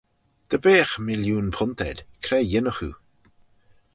Dy beagh millioon punt ayd, cre yinnagh oo?